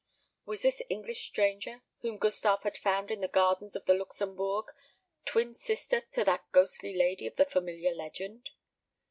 Was this English stranger whom Gustave had found in the gardens of the Luxembourg twin sister to that ghostly lady of the familiar legend?